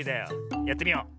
やってみよう。